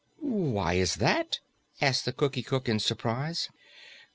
"Why is that?" asked the Cookie Cook in surprise.